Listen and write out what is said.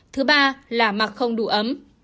thứ ba là mặt không đủ ấm